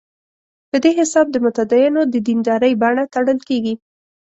په دې حساب د متدینو د دیندارۍ بڼه تړل کېږي.